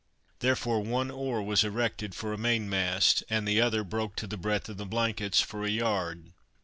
Therefore, one oar was erected for a main mast, and the other broke to the breadth of the blankets for a yard.